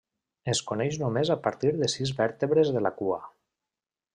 Es coneix només a partir de sis vèrtebres de la cua.